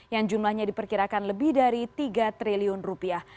yang jumlahnya diperkirakan lebih dari tiga triliun rupiah